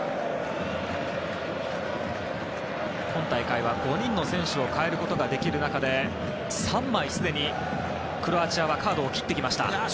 今大会は、５人の選手を代えることができる中で３枚、すでにクロアチアはカードを切ってきました。